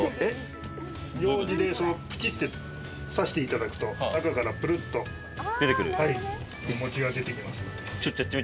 ようじでプチッと刺していただくと、中からプルっとお餅が出てきますので。